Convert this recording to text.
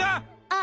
あ！